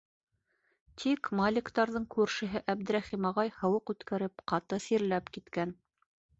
Тик Маликтарҙың күршеһе Әбдрәхим ағай һыуыҡ үткәреп, ҡаты сирләп киткән.